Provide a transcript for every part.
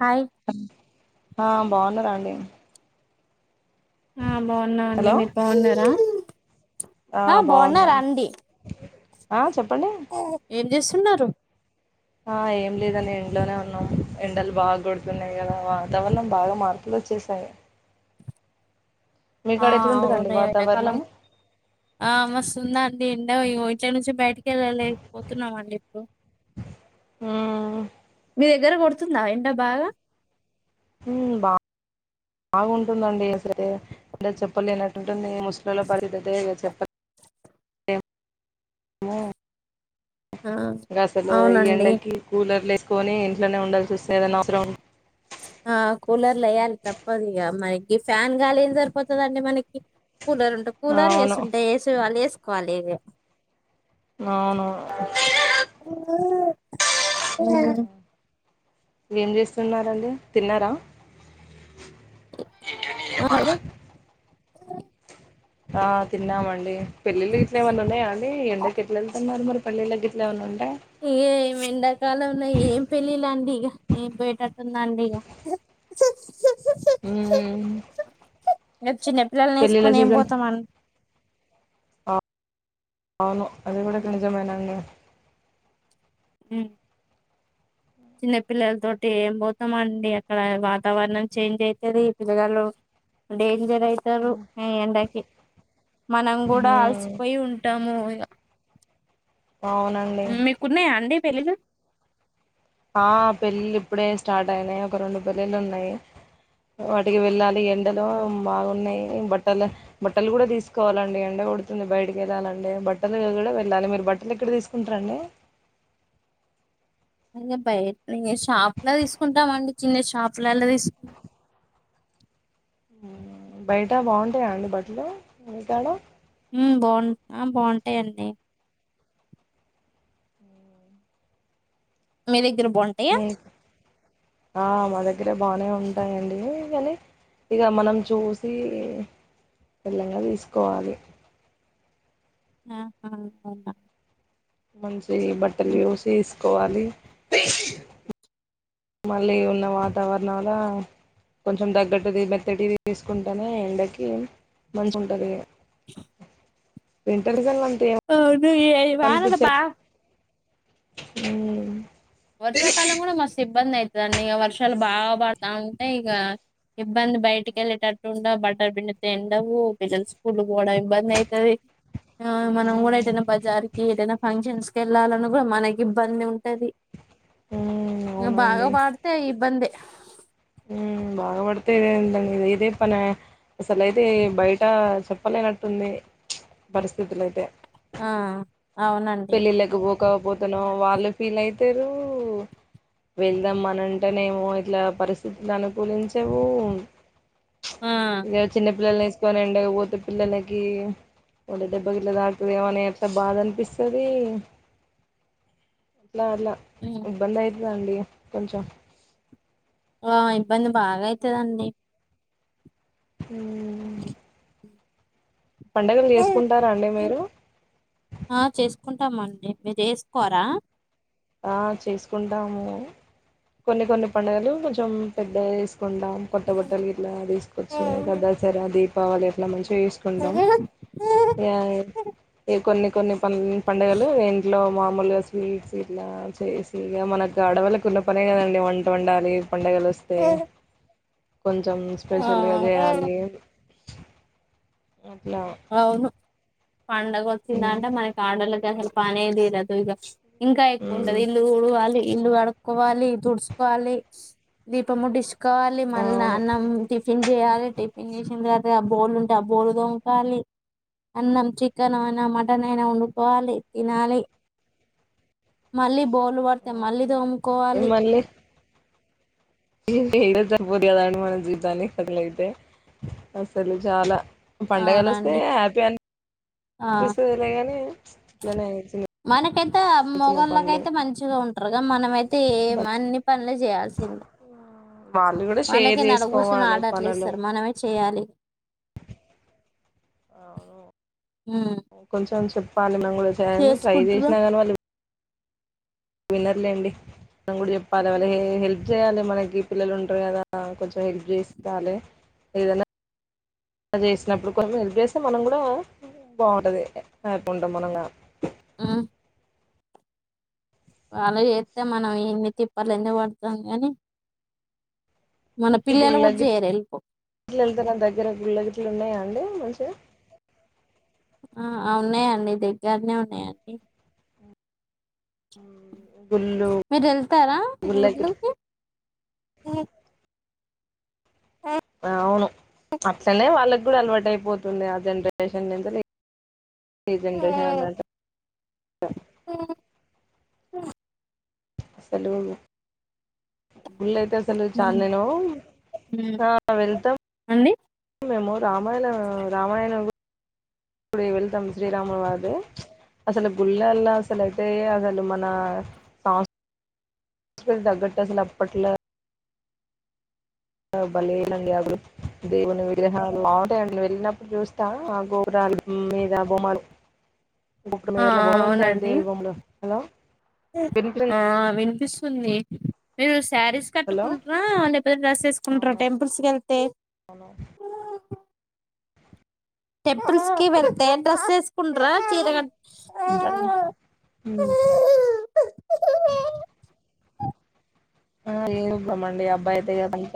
హా య్ ఆ బాగున్నార అండి ఆ బాగున్నావండి హలో మీరు బాగున్నారా ఆ హ బాగున్నాం బావున్నారా అండి ఆ చెప్పండి ఏం చేస్సు న్నారు ఆ ఏం లేదఅండి ఎంట్లోనే ఉన్నాం ఎండలు బాగా కొడుతున్నాయి కదా వాతావరణం బాగా మార్పులు వచ్చేసాయి ఆ మీకాడ అవున్ ఎట్లుంటదండి ఎండా కాలం వాతావరణం ఆ మస్ ఉంద అన్ డి ఎండా ఇంట్లోనుంచి బయటకి కెళ్ళలేక పోతున్నామ్ అండి ఇప్పుడు ఉమ్ దర కొడుతుందా ఏండ బాగా ఉమ్ బా బాగుంటుందండి అసరే అంటె చెప్పలేనట్టు ఉంది ముస్లోల పరిదైతే ఇగ చెప్ ఆ ఇంకా అసలు ఈ అవునండి ఎండకి కూలర్లు ఏస్ కొని ఇంట్లోనే ఉండాల్సి వస్తె ఏదన్న అవసరం ఆ కూలర్లు వేయాలి తప్పదు ఇక మనకి ఫ్యాన్ గాలి ఏం సరిపోతదండి మనకి కూలర్ ఉంటే కూలర్ అవును ఏసీ ఉంటే ఏసీ వాల్ ఏస్ కాలిగే అవును స ఏం చేస్తున్నరండి తిన్నారా అ ఏరో ఆ తిన్నామండి పెళ్ళిళ్లు ఇట్ల ఏమన్నఉన్నాయా అండి ఆ ఎండకి ఎట్ల వెళ్తున్నారు మరి పల్లెలో గిట్లేమన్న ఉన్ ఇ ఏం ఎండ కాలంల ఏం పెళ్లిలండి య నేన్ పోయేటట్టు ఉన్న అండి ఇగ ఊ నచ్చినం పిల్లల్నేసుకొని ఏం పోతమన్ అవును అది కూడ నిజమేనండి హు చిన్న పిల్లల తోటి ఏం పోతమండి అక్కడ వాతావరణం చేంజ్ అయితది పిల్లగాలు డే జరైతరు ఈ ఎండకి మనం కూడా మ్మ్ అలసిపోయి ఉంటాము ఇగ అవునండి మీకున్నాయా అండి పెళిలు ఆ పెళ్ళిలు ఇప్పుడే స్టార్ట్ అయినాయి ఒక రెండు పెళ్ళిళ్ళు ఉన్నయి వాటికి వెళ్ళాలి ఎన్ దలో బాగున్నయి బట్ టలు బట్టలు కూడా తీసుకోవాలండి ఎండే కొడుతుంది బయటకి వెళ్ళాలంటె. బట్టలు కూడా వెళ్ళాలి మీరు బట్టలు ఎక్కడ తీసుకుంటరండి. ఇంగ బయట్నే షాపులా తీసుకుంటామండి చిన్న షాపులలా తీసు బయట బాగుంటాయా అండి బట్టలు మీకాడ ఉ బా ఆ బాగుంటయండి మీ దగర ఉంటయా మీ ఆ మద దగ్గర బానే ఉంటాయండి కాని ఇక మనం చూసి తెల్లంగ తీసుకోవాలి [unintelligible] మంచ్ చి బట్టలు చూసెస్ కోవాలి మళ్ళీ ఉన్న వాతావరణలా కొంచెం తగ్గటుది మెత్తటి తీసుకుంటేనే ఎండకి మంచి ఉంటది ఇగ వింటర్ సీజన్ల అవున్ ను ఏయ్ వాన దు బ ఉ వర్షాకాలం కూడా మస్ ఇబ్బంది అయి దండిగ వర్షాలు బాగా పడుతా ఉంటయి ఇగ ఇబ్బంది బయటికి వెళ్ళేటట్టుండ బట్టల్ పిండితే ఎండవు పిల్లల స్కూలు కూడా ఇబ్బంది అయితది ఆ మనం కూడా ఉమ్ ఎటైనా బజార్ కి ఎటైనా ఫంక్షన్స్ వెళ్ళాలన్న కూడా మనకి ఇబ్బంది ఉంటది ఉమ్ ఇంగ బాగ పాడితే ఇబ్బందే బాగాపడితే ఏంటండి ఇదితే పన అసలుయితే బయట చెప్పలేనట్టుంది పరిస్థితులుయితే ఆ అవునండి వెళ్లకపోతే నో వాళ్ళు ఫీల్ అయితరూ.. వెళ్దాం అన అంటేనేమో ఇట్లా పరిస్థితులు అనుకూలించవు. ఆ చిన్నపిల్లలను వేసుక్ పట్టుకొని ఎండ కు పోతే పిల్లలకి ఒలా దెబ్బ గిట్ల దాకుతడెమోనని ఎంత బాధ అనిపిస్తంది ఇది.. అలా అలా ఉమ్. ఇబ్బంధయ్ ద్ రండి కొంచం ఆ ఇబ్బంది బాగా అయితదండి ఊ పండుగలు జేసుకుంటారా అండి మీరు? ఉంటామండి మీరు చేసుకోరా ఆ చేసుకుంటాము కొన్ని కొన్ని పండుగలు కొంచెం పెద్దగ జేసు కుండాం కొత్త బట్టలు గిట్లా దీసుకొచ్చి దసరా అది కావాలి ఎట్లా మంచి చేకుంటాం కొన్ని. కొన్ని పం పండుగలు ఇంట్లో మామూలుగా స్వీట్స్ ఇలా చేసి ఇగా మనకు ఆడవాళ్లకున్న పనే గదండి వంట వండాలి పండగలు వస్తే కొంచెం స్పెషల్గా ఆ జేయాలి న అవును పండగ వచ్చిందంటే మనకి ఆడోళ్ళకి అసలు పనే దీరదు ఇకచ్ ఇంకా ఎక్కువుంటది మ్ ఇల్లు ఉడువాలి ఇల్లు గడుక్కోవాలి తుడుచసుకోవాలి దీపం ముడీస్ కోవాలి మళ్ళ అవును అన్నం టిఫిన్ జేయాలి టిఫిన్ జేసిన తర్వాత ఆ బోల్లు ఉంటే ఆ బోల్లు తోము అన్నం చికెన్ అయినా మటన్ అయినా వండుకోవాలి తినాలి మళ్ళీ బోల్లు పడితే మళ్ళీ అవును దోముకోవాలి మళ్ళీ ఇదే సరిపోద్ది కదా అండి మన జీవితానికి అదలైతే అసలు చాలా పండగలు వస్తే అవునండి హ్యాపీ అని ఆ పిస్తుంది లేగాని ఇట్లనైతే [inaudible] అంటతే మొగళ్ళకయితే మంచిగా ఉంటారు క మనమైతే ఏమ అన్ని పనులే చేయాల్సిందే వాళ్ళు కూడా షేర్ వాళ్ళకే నడ కూసుని చేసుకోవాలి ఆడట్లు పనులు ఇస్తారు మనమే చేయాలి అ అవును హ్మ్ కొంచెం అం చెప్ పాలన ట్రై చేసుకుంటున్నా చేససిన గానీ విన్నర్లేండి మనం కూడా చెప్పాలి వాళ్ళ ఏ హెల్ప్ చేయాలి మనకి పిల్లలు ఉంటారు కదా కొంచెం హెల్ప్ చేసుకోాలి ఏదన్నా చేసినప్పుడు కొంచెం హెల్ప్ చేస్తే మనం కూడా బాగుంటుంది హప్కుంటాం మనగా ఆ వాళ్ళ చేస్తే మనం ఇన్ని తిప్పలు ఎందుకు పడుతాం గాని మన పిల్లలు కూడా చేయరు వెళ్ళిపో గుళ్ళగిట్ వెళ్తను దగ్గర గుళ్ళగిట్లు ఉన్నాయా ఉడి మంచిగా ఆ ఉన్నాయండి దగ్గరనే ఉన్నాయండి హ మీరు వెళ్తారా గిట్లు గుళ్ళకు ఏ అవును అట్లనే వాళ్ళకి కూడా అలవాటు అయిపోతుంది ఆ జనరేషన్ నించి ఏ జనరేషన్ ఉన్న హ అసలుము ఉ అసలు చా నేను హ్మ్ వెళ్తాం అండి మేము రామాయణ రామాయణ వెళ్తాం శ్రీరాముల వారు అసలు గుళ్ళల్లో అసలుతే అసలు మన సంస్కృ తగ్గట్టు అసలు అప్పట్లో బలేలండి అగులు దేవుని విగ్రహాలు బాగుంటాయండి వెళ్ళినప్పుడు చూస్తా ఆ గోరాల మీద బొమలు ఇప్పుడు ఆ మీదట్లా బాగుంటంది అ అవునండి దేవుల్ బొమ్మలో హలో ఆ వినిపిస్తుందా వి వినిపిస్తుంది శారీస్ హలో కట్టుకుంటార లేకపోతే డ్రెస్ వేసుకుంటార అవునా టెంపుల్స్ కి వెళ్తే అవును టైంప్పుల్స్ కి వెళ్తే ఏం డ్రెస్ వేసుకుంటరా చీరగ కట్ ఆ ఏనుమ్మండి అబ్బాయి తగదంత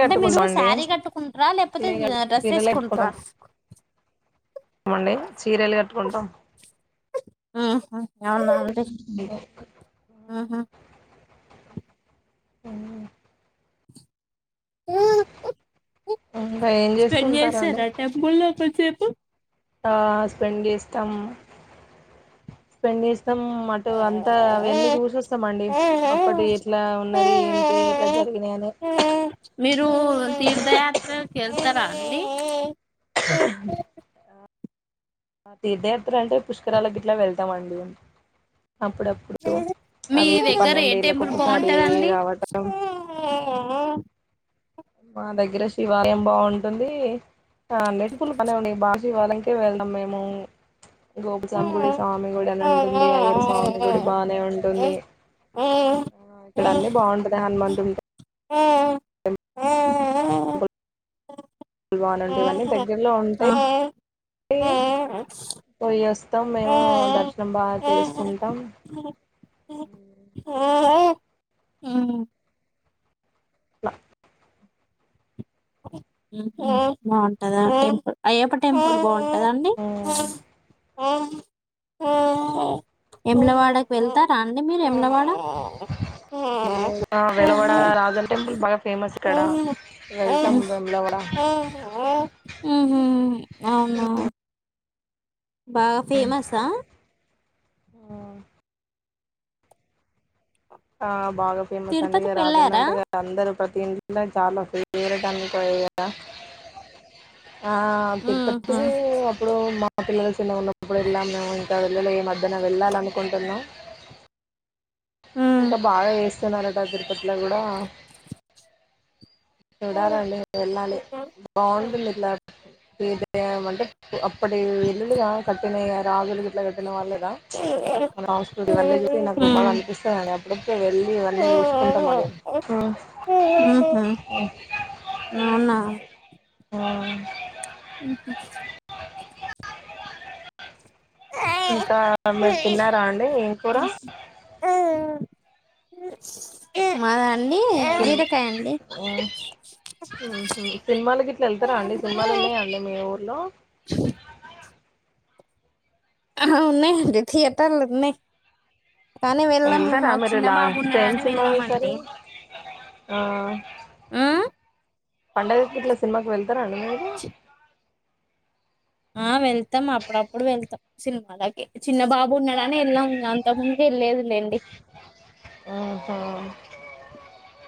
అంటే మీరు శారీ కట్టుకుంటారా లేకపోతే చీర డ్రెస్ చీరలు వేసుకుంటార అమండి చీరలు కట్టుకుంటాం ఆ అవున అండి ఉమ్ అవు ఇంకా ఏం చేస్తూ స్పెండ్ ఉంటారండి చేస్తారా టైంపుల్లో కొన్సేపు చె ఆ స్పెండ్ చేస్తాం స్పెండ్ చేస్తా మం అటు అంతా అవన్నీ చూసిస్తాం అండి అప్పటి ఎట్లా ఉన్నది ఏంటి ఎట్లా జరిగినాయి అని. ఎల్తారా అండి [unintelligible] పుష్కరాలకు ఇలా వెళ్తామండి [inaudible] అప్పుడప్పుడు మీ అవి దగ్గర ఏ పన్నెండేళ్ళకి టెంపుల్ ఒకసారి బాగుంటాదండి. రావటం మా దగ్గర శివాలయం బాగుంటుంది [unintelligible] శివాలయం కే వెళ్ళాం మేము గోపుస్వామి గుడి స్వామి గుడి అని ఉంటుంది అయ్యో స్వామి గుడి బానే ఉంటుంది ఆ ఇక్కడ అన్ని బాగుంటద. చ [inaudible] ఆ పల్వాన్ ఉంటే ఇవన్నీ దగ్గరలో ఉంటేయి పోయి వస్తాం మేము దర్శనం బాగా చేసుకుంటాం. నా బాగుంటదా టెంపుల్ అయ్యప్ప టెంపుల్ బాగు కదండి ఆ ఎములవాడకి వెళ్తారా అండి మీరు ఎములవాడ ఆ వెలవడ రాజన్ టెంపుల్ బాగా ఫేమస్ ఇక్కడ వెళ్తాం వెములవాడ హుహు అవునా బాగా ఫేమసా ఆ బాగా ఫేమస్ అంటే ఇ తిరుపతికి రాజన్న వెళ్ళారా అంటే అందరరు ప్రతింటి. ఇలా చాలా సేరడానినికి. ఆ తిరుపతి అప్పుడు మా మా పిల్లల చిన్నగా ఉన్నప్పుడు ఎల్లా మేము ఇంకా వెళ్ళలో ఏ మధ్యన వెళ్ళాలనుకుంటున్నాం. ఇంకా బాగా ఏ చనాలది అట్లా కూడా చూడాలండి వెళ్ళాలి బాగుంటుంది ఇలా ఏద అంటే అప్పుటి ఇల్లులుగా కట్టిన రాజులు గ ఇట్లా కట్టిన వాళ్ళు. మన హస్వల్లే చూసి నాకు బాగా ఎప్పుడతే వెళ్ళి ఇవన్నీ చూసుకుంటామడి అవునా ఆ ఉమ్ హ్మ్మ్ ఇంకా మీరు తిన్నారా అండి ఏం కూరా హ బీరకాయ అండి ఉమ్ సినిమాలకు ఇట్లా వెళ్తారా అండి సినిమాలు ఉన్నాయండి మీ ఊర్లో ఆ ఉన్నాయండి థియటర్లున్నాయి వెళ్తారా మీరు లాస్ట్ ఏం సినిమా చూశారు వెళ్ళామండి ఆ ఆ పండుగకి ఇట్ల సినిమాకి వెళ్తారా అండి మీరు ఆ వెళ్తాం అప్పుడప్పుడు వెళ్తాం సినిమలకి చిన్న బాబు ఉన్నాడాని వెళ్ళాము అంత ముందు వెళ్ళలేదిలేండి హుహుమ్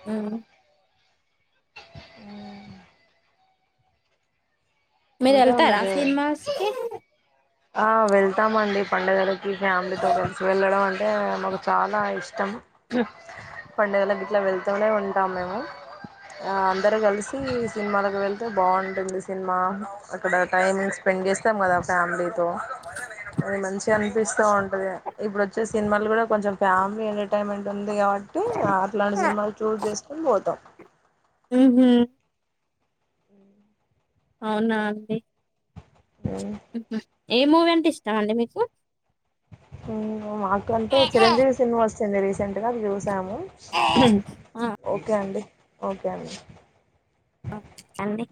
అ మీరు వెళ్తారా సినిమాస్ కి ఆ వెళ్తామండి పండుగల ఈ ఫ్యామిలీతో కలిసి వెళ్ళడం అ అంటే మాకు చాలా ఇష్టం పండుగల గిట్ల వెళ్తూనే ఉంటాము మేము అందరం కలిసి సినిమాలకు వెళ్తే బాగుంటుంది సినిమా అక్కడ టైం స్పెండ్ చేస్తాము కదా ఫ్యామిలీ తో అది మంచి అనిపిస్తూ ఉంటది ఇప్పుడు వచ్చే సినిమాలు కూడా కొంచెం ఫ్యామిలీ ఎంటర్టైన్మెంట్ ఉం ది కాబట్టి అట్లాంటి సినిమాలు షూస్ చేసుకొని పోతాం ఉమ్ అవునా అండి పోతాం ఉ ఏ మూవీ అంటే ఇష్టం అండి మీకు ఉ మాకు అంటే చిరంజీవి సినిమాస్ రీసెంట్ గా చూ సాము ఆ ఓకే అండి ఓకే అండి అండి